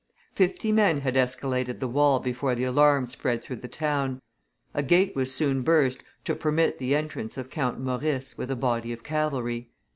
Fifty men had escaladed the wall before the alarm spread through the town; a gate was soon burst to permit the entrance of Count Maurice with a body of cavalry.